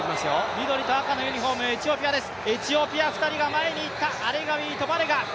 緑と赤のユニフォーム、エチオピアです。